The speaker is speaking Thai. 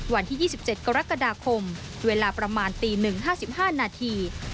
วันที่ยี่สิบเจ็ดกรกฎาคมเวลาประมาณตีหนึ่งห้าสิบห้านาที